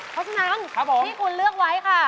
เพราะฉะนั้นที่คุณเลือกไว้ค่ะ